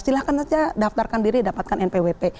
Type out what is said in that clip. silahkan saja daftarkan diri dapatkan npwp